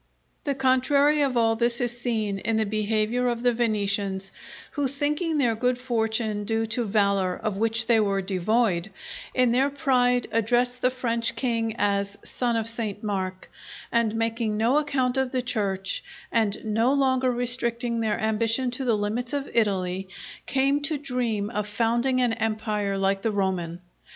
_" The contrary of all this is seen in the behaviour of the Venetians, who thinking their good fortune due to valour of which they were devoid, in their pride addressed the French king as "Son of St. Mark;" and making no account of the Church, and no longer restricting their ambition to the limits of Italy, came to dream of founding an empire like the Roman.